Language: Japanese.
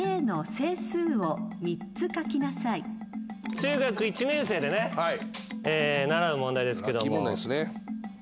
中学１年生で習う問題ですけど。